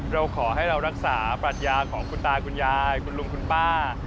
เราขอให้เรารักษาปรัชญาของคุณตาคุณยายคุณลุงคุณป้า